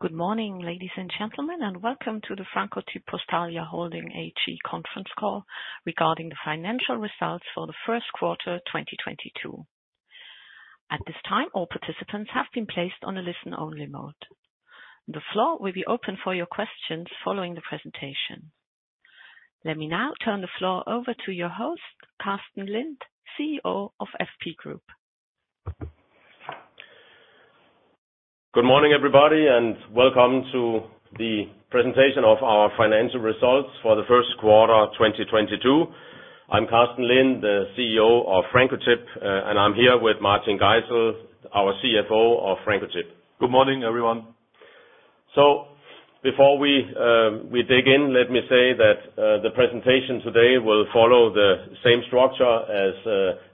Good morning, ladies and gentlemen, and welcome to the Francotyp-Postalia Holding AG Conference Call regarding the financial results for the first quarter 2022. At this time, all participants have been placed on a listen-only mode. The floor will be open for your questions following the presentation. Let me now turn the floor over to your host, Carsten Lind, CEO of FP Group. Good morning, everybody, and welcome to the presentation of our financial results for the first quarter, 2022. I'm Carsten Lind, the CEO of Francotyp, and I'm here with Martin Geisel, our CFO of Francotyp. Good morning, everyone. Before we dig in, let me say that the presentation today will follow the same structure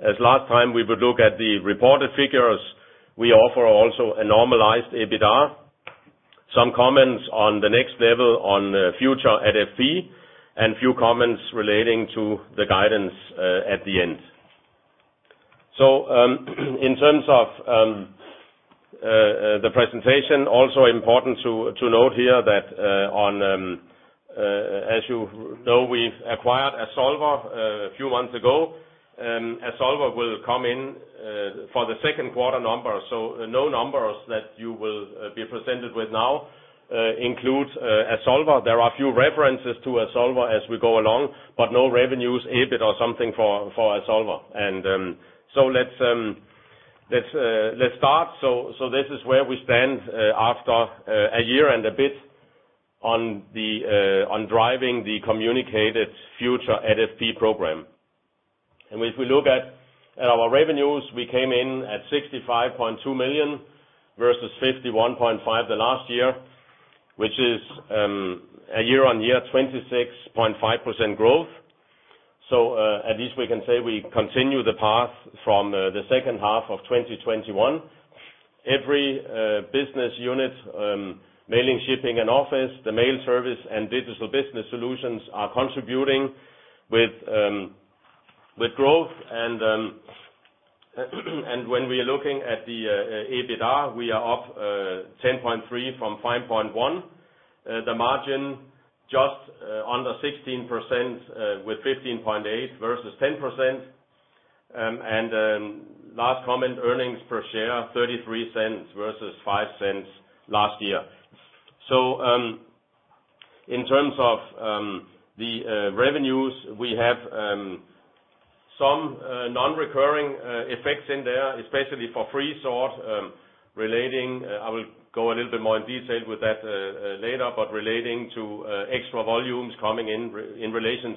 as last time. We will look at the reported figures. We offer also a normalized EBITDA, some comments on the next level on FUTURE@FP, and a few comments relating to the guidance at the end. In terms of the presentation, also important to note here that as you know, we've acquired Azolver a few months ago. Azolver will come in for the second quarter numbers. No numbers that you will be presented with now includes Azolver. There are a few references to Azolver as we go along, but no revenues, EBIT or something for Azolver. Let's start. This is where we stand after a year and a bit on driving the communicated FUTURE@FP program. If we look at our revenues, we came in at 65.2 million versus 51.5 million last year, which is a year-on-year 26.5% growth. At least we can say we continue the path from the second half of 2021. Every business unit, Mailing, Shipping & Office Solutions, Mail Services, and Digital Business Solutions, is contributing with growth. When we are looking at the EBITDA, we are up 10.3 million from 5.1 million. The margin is just under 16%, with 15.8% versus 10%. Last comment, earnings per share 0.33 versus 0.05 last year. In terms of the revenues, we have some non-recurring effects in there, especially for freesort, I will go a little bit more in detail with that later, but relating to extra volumes coming in in relation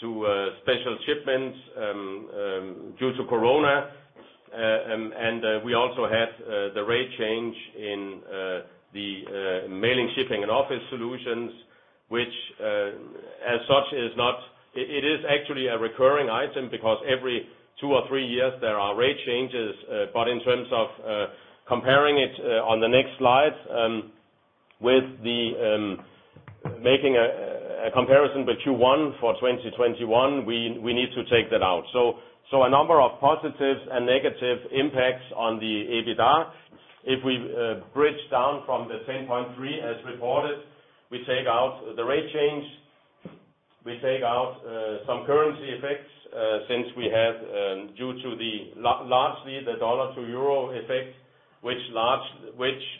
to special shipments due to Corona. We also have the rate change in the Mailing, Shipping & Office Solutions, which as such is actually a recurring item because every two or three years there are rate changes. In terms of comparing it on the next slide with making a comparison with Q1 2021, we need to take that out. A number of positive and negative impacts on the EBITDA. If we bridge down from the 10.3 as reported, we take out the rate change, we take out some currency effects, since we have due to largely the dollar to euro effect, which,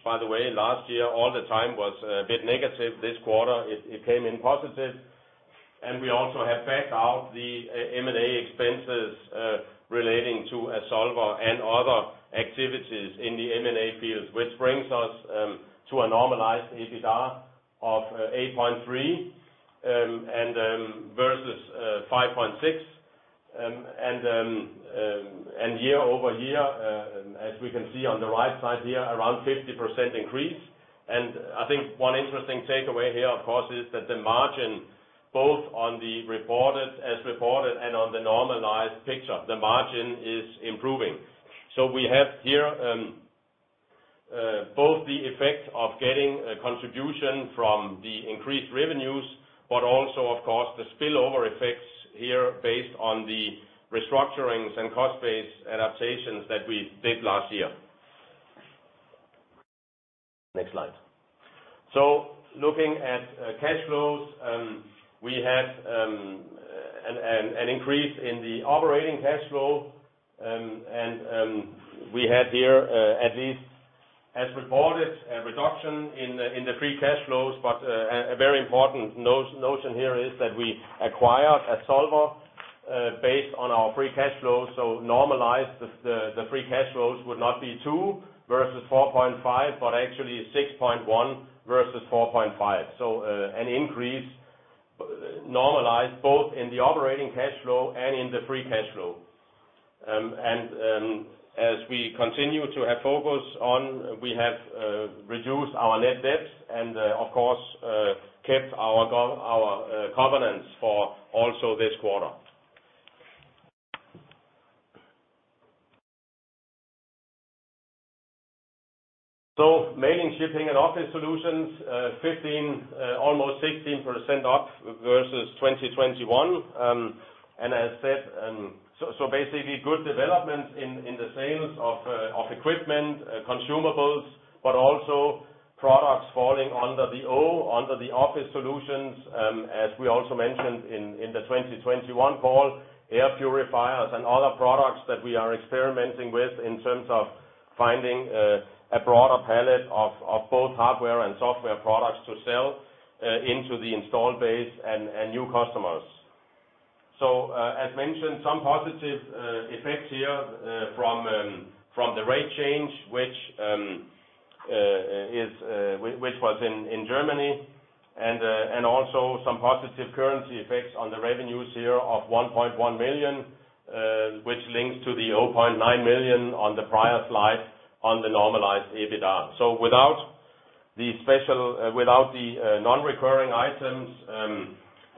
by the way, last year all the time was a bit negative, this quarter it came in positive. We also have backed out the M&A expenses relating to Azolver and other activities in the M&A field, which brings us to a normalized EBITDA of 8.3 million and versus 5.6 million. Year-over-year, as we can see on the right side here, around 50% increase. I think one interesting takeaway here, of course, is that the margin, both on the reported, as reported and on the normalized picture, the margin is improving. We have here both the effect of getting a contribution from the increased revenues, but also, of course, the spillover effects here based on the restructurings and cost-based adaptations that we did last year. Next slide. Looking at cash flows, we have an increase in the operating cash flow. We had here, at least as reported, a reduction in the free cash flows. A very important notion here is that we acquired Azolver based on our free cash flows. Normalized, the free cash flows would not be 2 million versus 4.5 million, but actually 6.1 million versus 4.5 million. An increase normalized both in the operating cash flow and in the free cash flow. As we continue to have focus on, we have reduced our net debt and, of course, kept our covenants for also this quarter. Mailing, Shipping and Office Solutions, 15%, almost 16% up versus 2021. As said, basically good developments in the sales of equipment, consumables, but also products falling under the Office Solutions, as we also mentioned in the 2021 call, air purifiers and other products that we are experimenting with in terms of finding a broader palette of both hardware and software products to sell into the install base and new customers. As mentioned, some positive effects here from the rate change, which was in Germany and also some positive currency effects on the revenues here of 1.1 million, which links to the 0.9 million on the prior slide on the normalized EBITDA. Without the special non-recurring items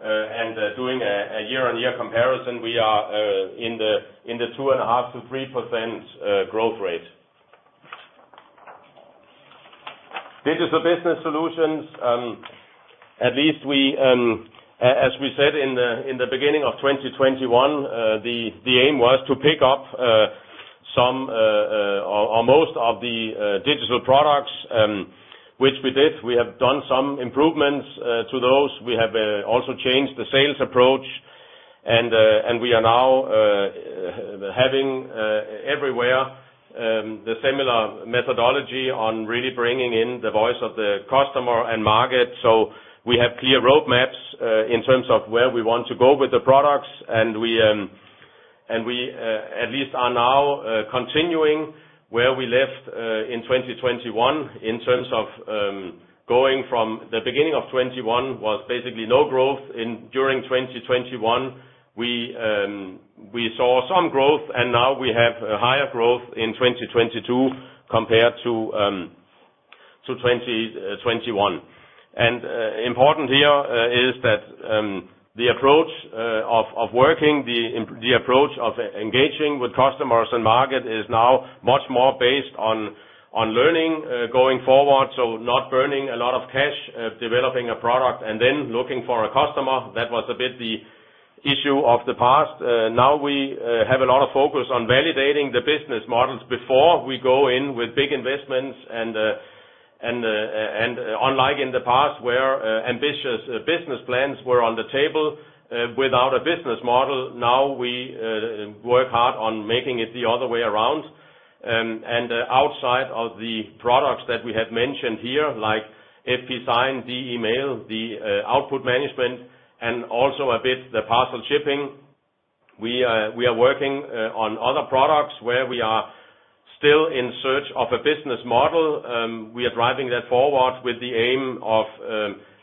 and doing a year-on-year comparison, we are in the 2.5%-3% growth rate. Digital Business Solutions, at least as we said in the beginning of 2021, the aim was to pick up some or most of the digital products, which we did. We have done some improvements to those. We have also changed the sales approach, and we are now having everywhere the similar methodology on really bringing in the voice of the customer and market. We have clear roadmaps in terms of where we want to go with the products, and we at least are now continuing where we left in 2021 in terms of going from the beginning of 2021 was basically no growth. During 2021, we saw some growth, and now we have a higher growth in 2022 compared to 2021. Important here is that the approach of engaging with customers and market is now much more based on learning going forward, so not burning a lot of cash developing a product and then looking for a customer. That was a bit the issue of the past. Now we have a lot of focus on validating the business models before we go in with big investments and unlike in the past where ambitious business plans were on the table without a business model, now we work hard on making it the other way around. Outside of the products that we have mentioned here, like FP Sign, De-Mail, the Output management, and also a bit Parcel Shipping, we are working on other products where we are still in search of a business model. We are driving that forward with the aim of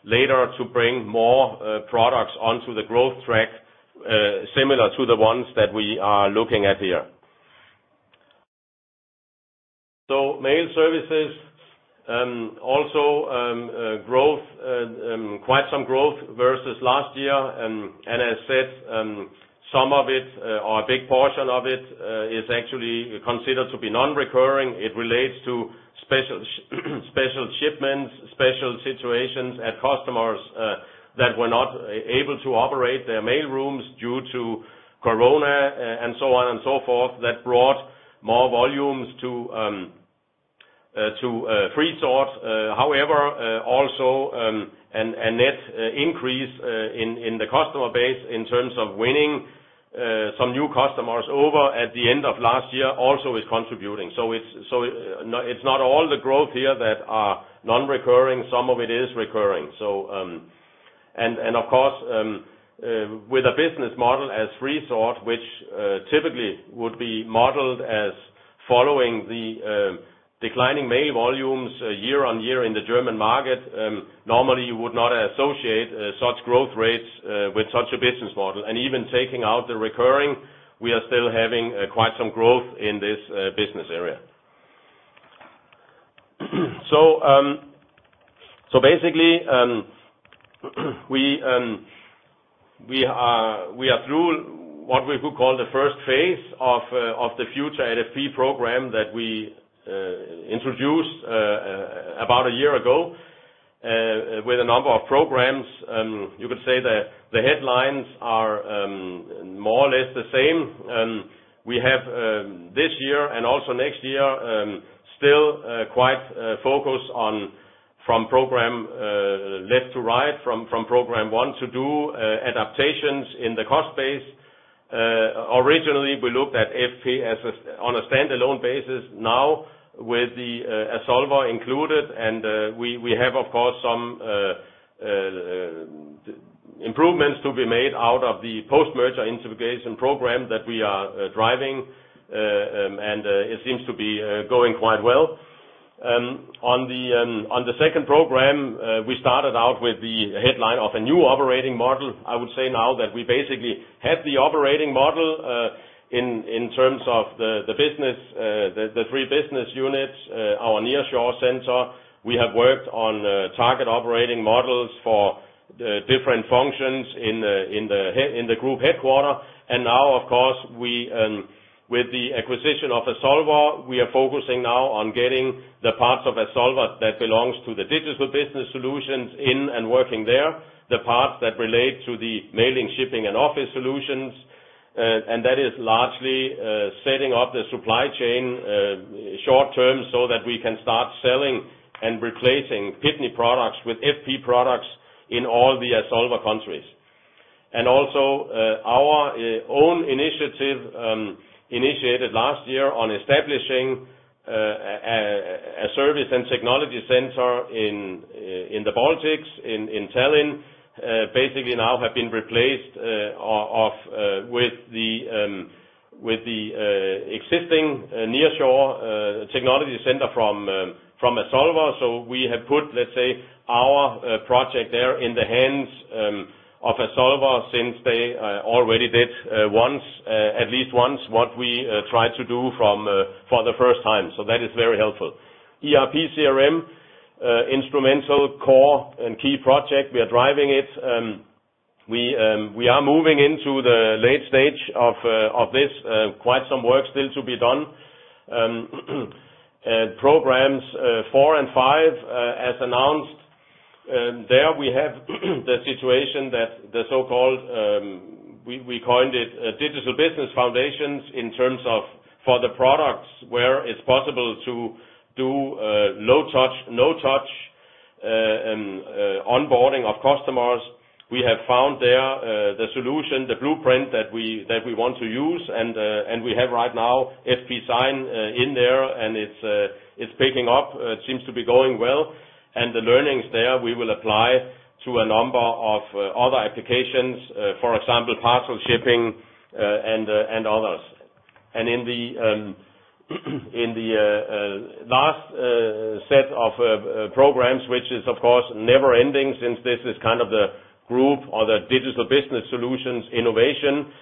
later to bring more products onto the growth track, similar to the ones that we are looking at here. Mail Services also growth, quite some growth versus last year. As said, some of it or a big portion of it is actually considered to be non-recurring. It relates to special shipments, special situations, and customers that were not able to operate their mail rooms due to Corona and so on and so forth that brought more volumes to freesort. However, also, a net increase in the customer base in terms of winning some new customers over at the end of last year also is contributing. It's not all the growth here that are non-recurring. Some of it is recurring. Of course, with a business model as freesort, which typically would be modeled as following the declining mail volumes year on year in the German market, normally you would not associate such growth rates with such a business model. Even taking out the recurring, we are still having quite some growth in this business area. Basically, we are through what we could call the first phase of the FUTURE@FP program that we introduced about a year ago with a number of programs. You could say the headlines are more or less the same. We have this year and also next year still quite focused on from program left to right from program one to two adaptations in the cost base. Originally, we looked at FP as on a standalone basis, now with the Azolver included, and we have, of course, some improvements to be made out of the post-merger integration program that we are driving, and it seems to be going quite well. On the second program, we started out with the headline of a new operating model. I would say now that we basically have the operating model in terms of the business, the three business units, our nearshore center. We have worked on target operating models for different functions in the group headquarters. Now, of course, with the acquisition of Azolver, we are focusing now on getting the parts of Azolver that belongs to the Digital Business Solutions in and working there, the parts that relate to the Mailing, Shipping and Office Solutions. That is largely setting up the supply chain short term so that we can start selling and replacing Pitney products with FP products in all the Azolver countries. Our own initiative initiated last year on establishing a service and technology center in the Baltics, in Tallinn, basically now have been replaced with the existing nearshore technology center from Azolver. We have put, let's say, our project there in the hands of Azolver since they already did at least once what we tried to do for the first time. That is very helpful. ERP, CRM, instrumental core and key project. We are driving it. We are moving into the late stage of this. Quite some work still to be done. Programs four and five, as announced, there we have the situation that the so-called, we coined it digital business foundations in terms of for the products where it's possible to do low touch, no touch onboarding of customers. We have found there the solution, the blueprint that we want to use. We have right now FP Sign in there, and it's picking up. It seems to be going well. The learnings there we will apply to a number of other applications, for example, parcel shipping, and others. In the last set of programs, which is, of course, never ending since this is kind of the group or the Digital Business Solutions innovation,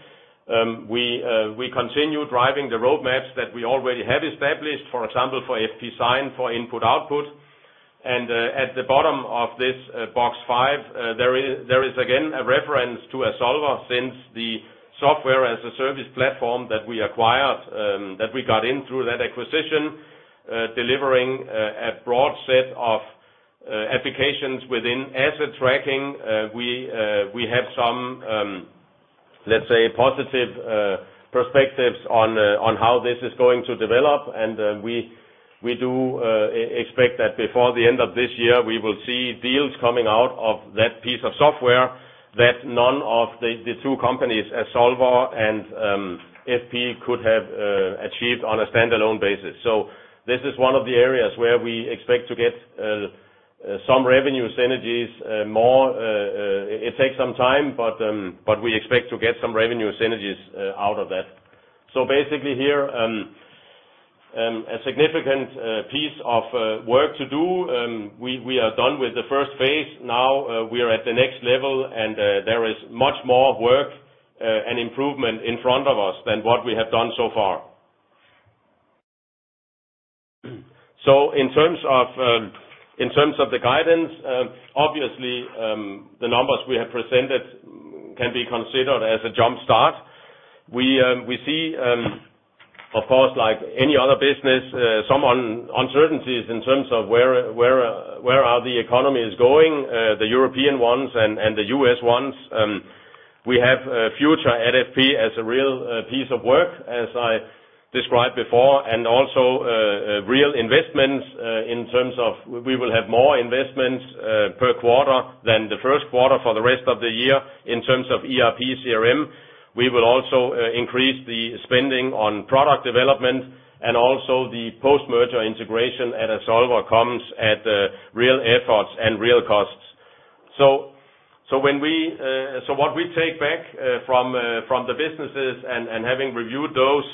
we continue driving the roadmaps that we already have established, for example, for FP Sign for Input/Output. At the bottom of this box five, there is again a reference to Azolver since the software as a service platform that we acquired, that we got in through that acquisition, delivering a broad set of applications within asset tracking. We have some, let's say, positive perspectives on how this is going to develop. We do expect that before the end of this year, we will see deals coming out of that piece of software that none of the two companies, Azolver and FP, could have achieved on a stand-alone basis. This is one of the areas where we expect to get some revenue synergies, more, it takes some time, but we expect to get some revenue synergies out of that. Basically here, a significant piece of work to do. We are done with the first phase. Now, we are at the next level, and there is much more work and improvement in front of us than what we have done so far. In terms of the guidance, obviously, the numbers we have presented can be considered as a jump start. We see, of course, like any other business, some uncertainties in terms of where the economies are going, the European ones and the U.S. ones. We have FUTURE@FP as a real piece of work, as I described before, and also real investments in terms of we will have more investments per quarter than the first quarter for the rest of the year in terms of ERP, CRM. We will also increase the spending on product development and also the post-merger integration at Azolver comes at real efforts and real costs. What we take back from the businesses and having reviewed those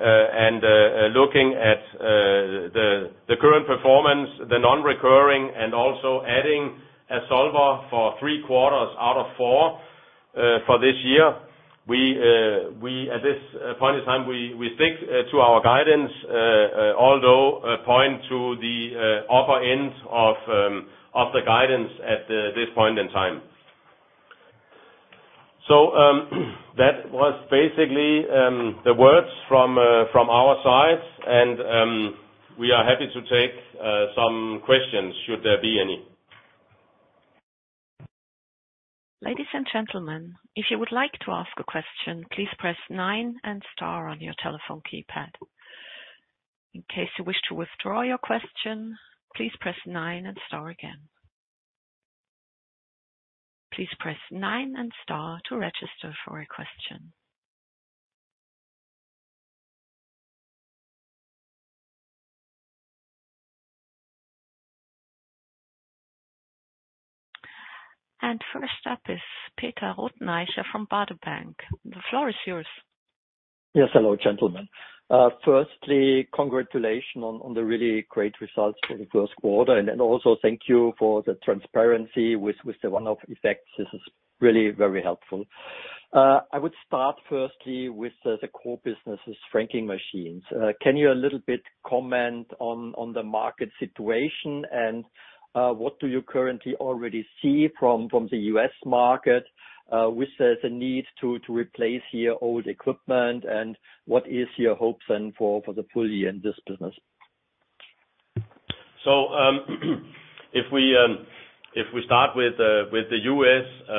and looking at the current performance, the non-recurring, and also adding Azolver for three quarters out of four for this year, we at this point in time stick to our guidance although pointing to the upper end of the guidance at this point in time. That was basically the words from our side, and we are happy to take some questions should there be any. Ladies and gentlemen, if you would like to ask a question, please press nine and star on your telephone keypad. In case you wish to withdraw your question, please press nine and star again. Please press nine and star to register for a question. First up is Peter Rothenaicher from Baader Bank. The floor is yours. Yes. Hello, gentlemen. Firstly, congratulations on the really great results for the first quarter, and also thank you for the transparency with the one-off effects. This is really very helpful. I would start firstly with the core businesses, franking machines. Can you a little bit comment on the market situation and what do you currently already see from the U.S. market with the need to replace your old equipment, and what are your hopes for the future in this business? If we start with the U.S.,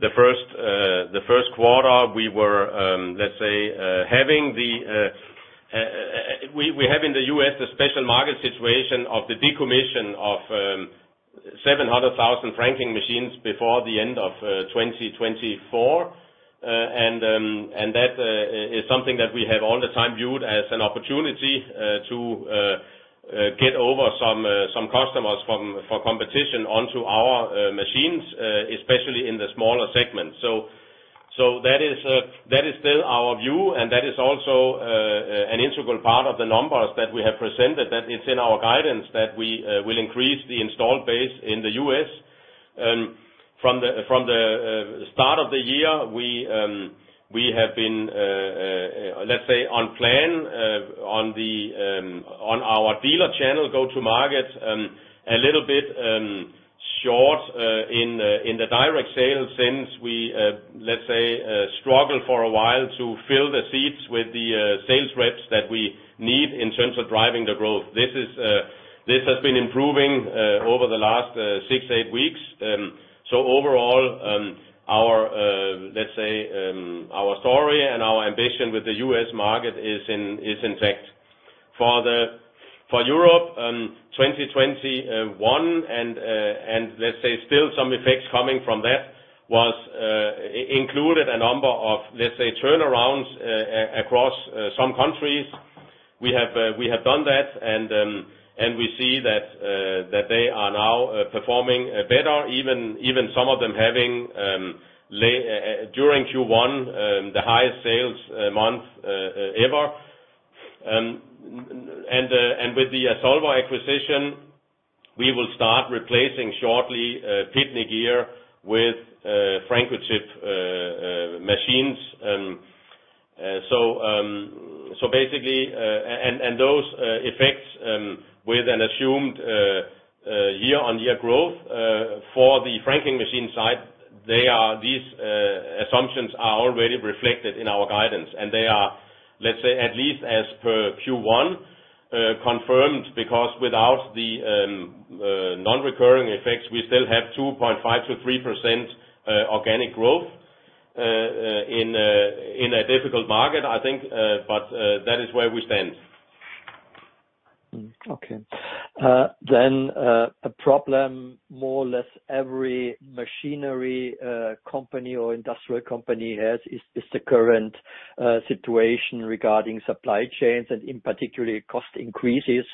the first quarter we were, lets say having the, we have in the U.S. a special market situation of the decommission of 700,000 franking machines before the end of 2024. That is something that we have all the time viewed as an opportunity to get over some customers from the competition onto our machines, especially in the smaller segments. That is still our view, and that is also an integral part of the numbers that we have presented, that it's in our guidance that we will increase the installed base in the U.S. from the start of the year. We have been, let's say, on plan on our dealer channel go-to-market a little bit short in the direct sales since we, let's say, struggled for a while to fill the seats with the sales reps that we need in terms of driving the growth. This has been improving over the last six, eight weeks. Overall, our, let's say, our story and our ambition with the U.S. market is intact. For Europe, 2021 and let's say still some effects coming from that was included a number of, let's say, turnarounds across some countries. We have done that, and we see that they are now performing better, even some of them having during Q1 the highest sales month ever. With the Azolver acquisition, we will start replacing shortly Pitney gear with Francotyp machines. Basically, those effects with an assumed year-on-year growth for the franking machine side, these assumptions are already reflected in our guidance. They are, let's say, at least as per Q1 confirmed, because without the non-recurring effects, we still have 2.5%-3% organic growth in a difficult market, I think, but that is where we stand. Okay. A problem more or less every machinery company or industrial company has is the current situation regarding supply chains and in particular cost increases.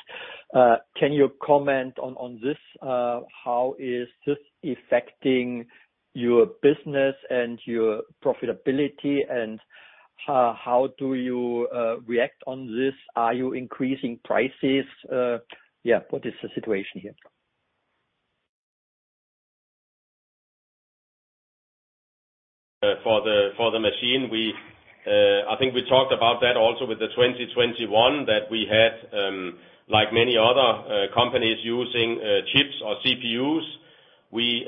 Can you comment on this? How is this affecting your business and your profitability, and how do you react on this? Are you increasing prices? Yeah, what is the situation here? For the machine, I think we talked about that also with 2021, that we had, like many other companies using chips or CPUs, we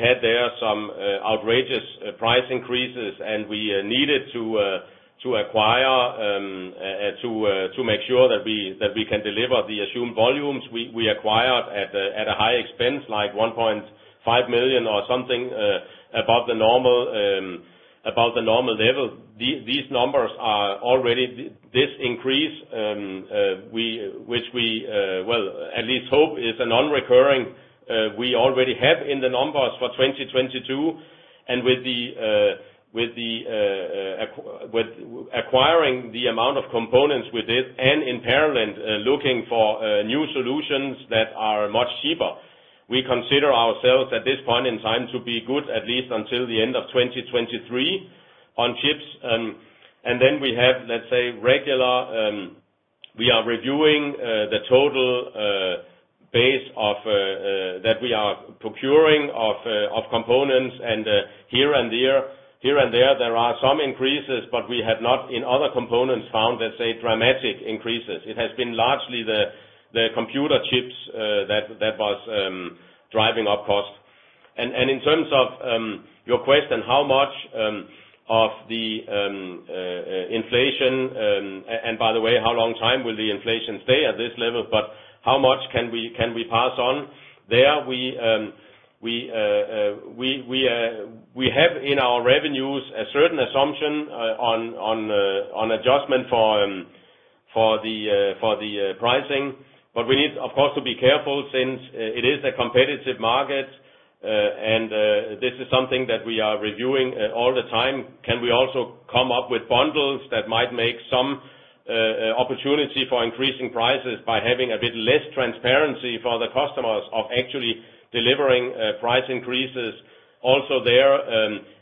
had there some outrageous price increases, and we needed to acquire to make sure that we can deliver the assumed volumes we acquired at a high expense, like 1.5 million or something, above the normal level. These numbers are already. This increase, which we, well, at least hope is non-recurring, we already have in the numbers for 2022. With acquiring the amount of components with it and in parallel, looking for new solutions that are much cheaper. We consider ourselves at this point in time to be good, at least until the end of 2023 on chips. Then we have, let's say, regular, we are reviewing the total base of that we are procuring of components. Here and there are some increases, but we have not in other components found, let's say, dramatic increases. It has been largely the computer chips that was driving up cost. In terms of your question, how much of the inflation, and by the way, how long time will the inflation stay at this level? How much can we pass on? We have in our revenues a certain assumption on adjustment for the pricing. We need, of course, to be careful since it is a competitive market. This is something that we are reviewing all the time. Can we also come up with bundles that might make some opportunity for increasing prices by having a bit less transparency for the customers of actually delivering price increases? Also,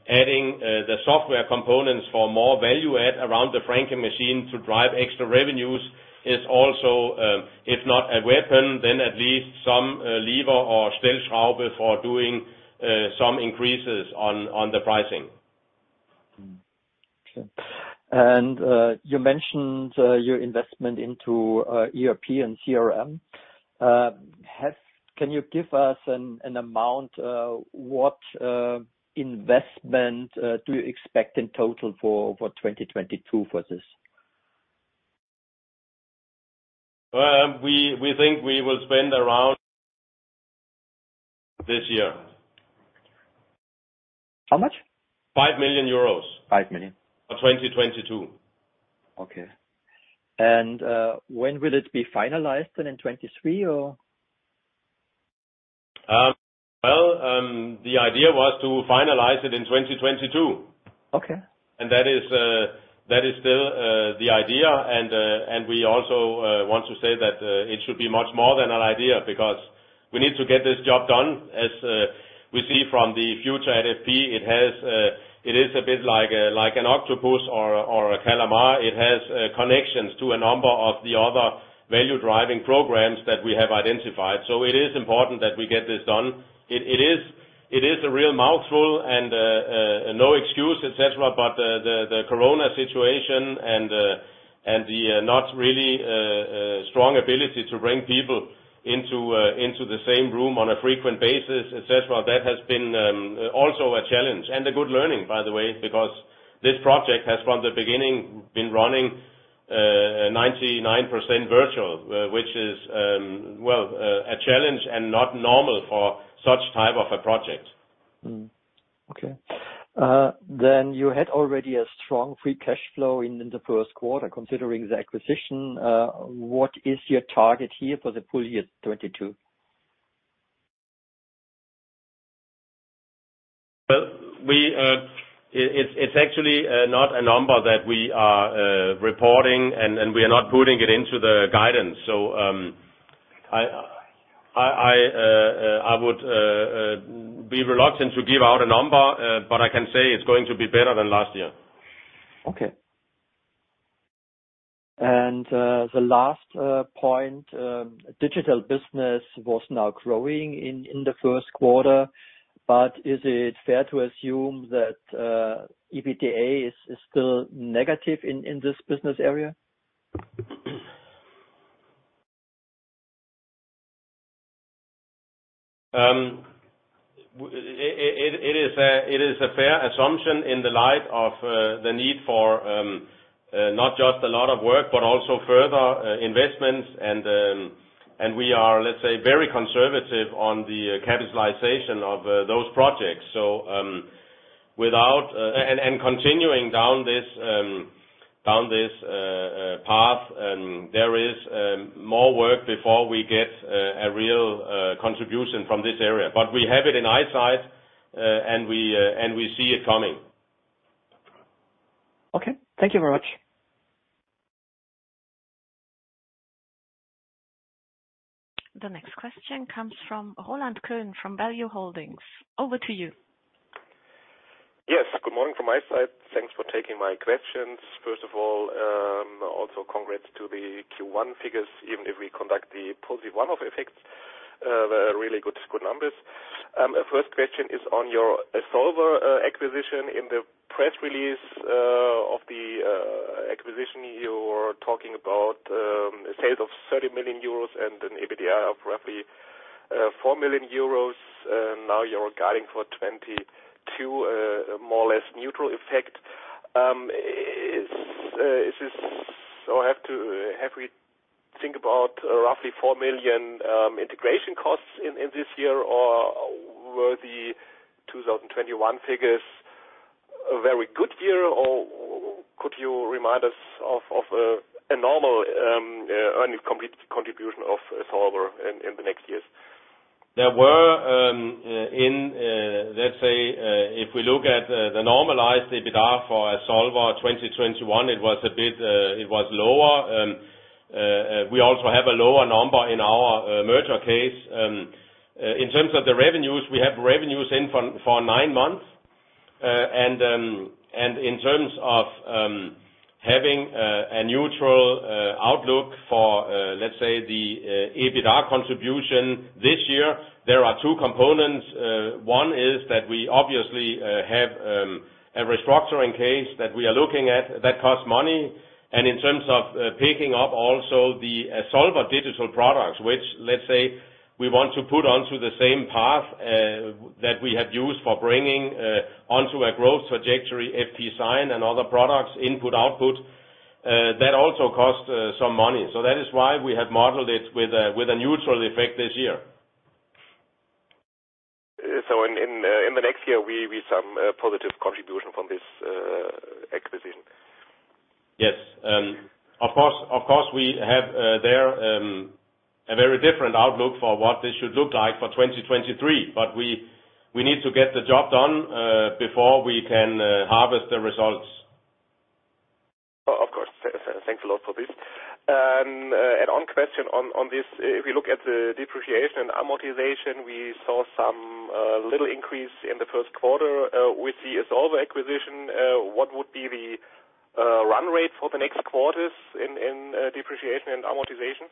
adding the software components for more value add around the franking machine to drive extra revenues is also, if not a weapon, then at least some lever or stealth harbor for doing some increases on the pricing. Okay. You mentioned your investment into ERP and CRM. Can you give us an amount, what investment do you expect in total for 2022 for this? We think we will spend around this year. How much? 5 million euros. 5 million. For 2022. Okay. When will it be finalized? In 2023 or? Well, the idea was to finalize it in 2022. Okay. That is still the idea. We also want to say that it should be much more than an idea because we need to get this job done. As we see from the FUTURE@FP, it is a bit like an octopus or a calamari. It has connections to a number of the other value-driving programs that we have identified. It is important that we get this done. It is a real mouthful and no excuse, et cetera. The Corona situation and the not really strong ability to bring people into the same room on a frequent basis, et cetera, that has been also a challenge. A good learning, by the way, because this project has, from the beginning, been running 99% virtual, which is, well, a challenge and not normal for such type of a project. You had already a strong free cash flow in the first quarter, considering the acquisition. What is your target here for the full year 2022? Well, it's actually not a number that we are reporting and we are not putting it into the guidance. I would be reluctant to give out a number, but I can say it's going to be better than last year. Okay. The last point, Digital Business was now growing in the first quarter, but is it fair to assume that EBITDA is still negative in this business area? It is a fair assumption in the light of the need for not just a lot of work but also further investments and we are, let's say, very conservative on the capitalization of those projects. Without and continuing down this path, there is more work before we get a real contribution from this area. We have it in sight and we see it coming. Okay. Thank you very much. The next question comes from Roland Könen from Value-Holdings. Over to you. Yes. Good morning from my side. Thanks for taking my questions. First of all, also congrats to the Q1 figures, even if we discount the positive one-off effects. They're really good numbers. First question is on your Azolver acquisition. In the press release of the acquisition, you were talking about a sales of 30 million euros and an EBITDA of roughly 4 million euros. Now you're guiding for 2022 more or less neutral effect. Is this have we to think about roughly 4 million integration costs in this year or were the 2021 figures a very good year or could you remind us of a normal contribution of Azolver in the next years? There were in let's say if we look at the normalized EBITDA for Azolver 2021, it was a bit lower. We also have a lower number in our merger case. In terms of the revenues, we have revenues in for nine months. In terms of having a neutral outlook for let's say the EBITDA contribution this year, there are two components. One is that we obviously have a restructuring case that we are looking at that costs money. In terms of picking up also the Azolver digital products, which, let's say we want to put onto the same path that we have used for bringing onto a growth trajectory FP Sign and other products Input/Output, that also cost some money. That is why we have modeled it with a neutral effect this year. In the next year we some positive contribution from this acquisition. Yes. Of course we have there a very different outlook for what this should look like for 2023. We need to get the job done before we can harvest the results. Of course. Thanks a lot for this. One question on this. If we look at the depreciation and amortization, we saw some little increase in the first quarter with the Azolver acquisition. What would be the run rate for the next quarters in depreciation and amortization?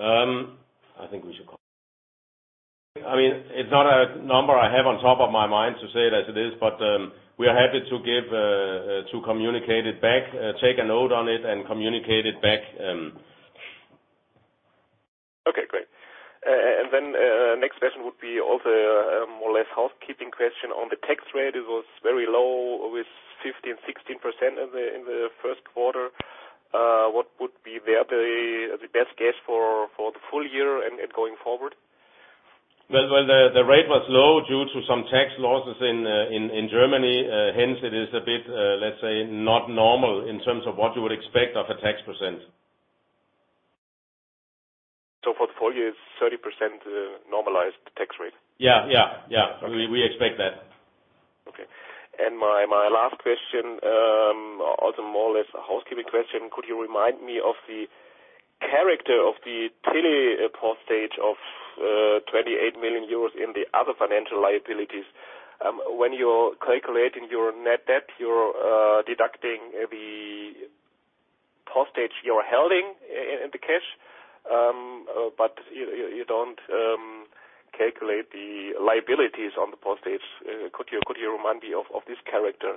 I think we should call. I mean, it's not a number I have on top of my mind to say it as it is, but, we are happy to give, to communicate it back, take a note on it and communicate it back. Okay, great. Next question would be also more or less housekeeping question on the tax rate. It was very low with 50% and 60% in the first quarter. What would be the best guess for the full year and going forward? Well, the rate was low due to some tax losses in Germany. Hence it is a bit, let's say, not normal in terms of what you would expect of a tax percent. For the full year it's 30%, normalized tax rate? Yeah. We expect that. Okay. My last question, also more or less a housekeeping question. Could you remind me of the character of the telepostage of 28 million euros in the other financial liabilities? When you're calculating your net debt, you're deducting the postage you're holding in the cash. But you don't calculate the liabilities on the postage. Could you remind me of this character?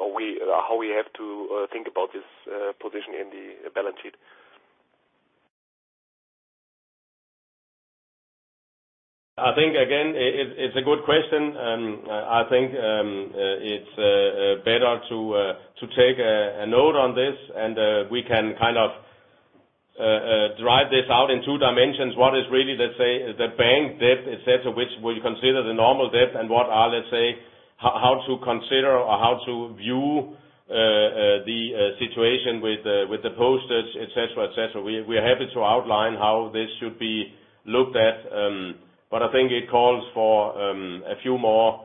How we have to think about this position in the balance sheet? I think again, it's a good question, and I think it's better to take a note on this and we can kind of drive this out in two dimensions. What is really, let's say, the bank debt, et cetera, which we consider the normal debt and what are, let's say, how to consider or how to view the situation with the postage, et cetera, et cetera. We are happy to outline how this should be looked at, but I think it calls for a few more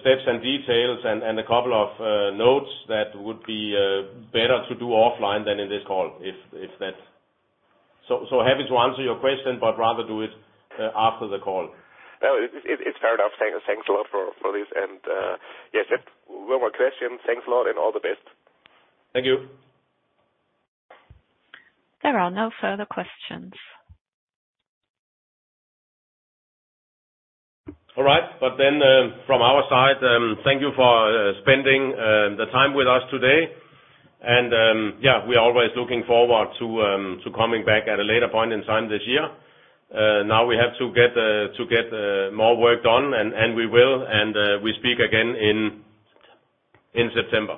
steps and details and a couple of notes that would be better to do offline than in this call, if that's. Happy to answer your question, but rather do it after the call. No, it's fair enough. Thanks a lot for this. Yes, that's one more question. Thanks a lot and all the best. Thank you. There are no further questions. All right. From our side, thank you for spending the time with us today. Yeah, we are always looking forward to coming back at a later point in time this year. Now we have to get more work done, and we will, and we speak again in September.